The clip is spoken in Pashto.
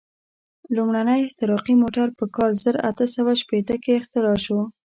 لومړنی احتراقي موټر په کال زر اته سوه شپېته کې اختراع شو.